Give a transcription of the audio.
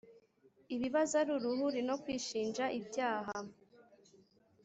ibibazo aruruhuri.nokwishinja ibyaha.